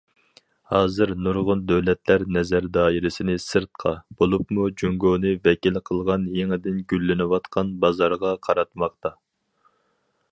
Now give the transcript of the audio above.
ھازىر، نۇرغۇن دۆلەتلەر نەزەر دائىرىسىنى سىرتقا بولۇپمۇ جۇڭگونى ۋەكىل قىلغان يېڭىدىن گۈللىنىۋاتقان بازارغا قاراتماقتا.